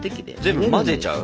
全部混ぜちゃう？